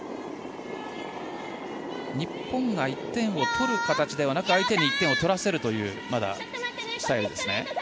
日本が１点を取る形ではなく相手に１点を取らせるというスタイルですね？